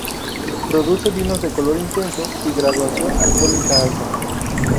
Produce vinos de color intenso y graduación alcohólica alta.